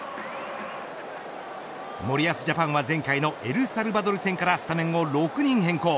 森保ジャパンは前回のエルサルバドル戦からスタメンを６人変更。